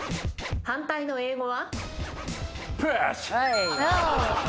反対の英語は？